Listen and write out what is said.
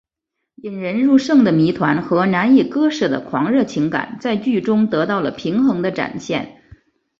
引人入胜的谜团和难以割舍的狂热情感在剧中得到了平衡的展现。